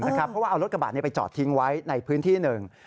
เพราะว่าเอารถกระบะนี้ไปจอดทิ้งไว้ในพื้นที่หนึ่ง